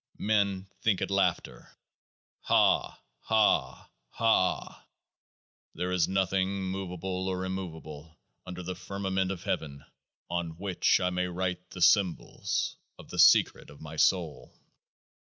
Men think it laughter — ha ! ha ! ha ! There is nothing movable or immovable under the firmament of heaven on which I may write the symbols of the secret of my soul.